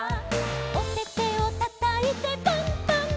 「おててをたたいてパンパンパン！！」